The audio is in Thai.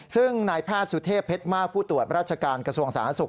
ซึ่งนายแพทย์สุเทพเพชรมากผู้ตรวจราชการกระทรวงสาธารณสุข